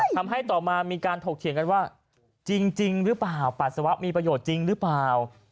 ทำให้ต่อมามีการถกเถียงกันว่าจริงหรือเปล่าปัสสาวะมีประโยชน์จริงหรือเปล่า